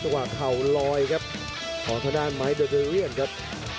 เท่ากว่าเขาลอยครับเอาแถวหน้ามันไหวเดียวจะเลี่ยงครับ